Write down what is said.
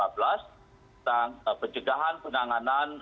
tentang pencegahan penanganan